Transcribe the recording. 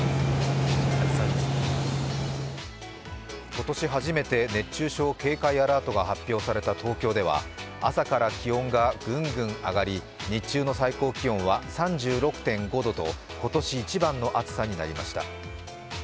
今年初めて熱中症警戒アラートが発表された東京では朝から気温がグングン上がり、日中の最高気温は３６．５度と今年一番の暑さになりました。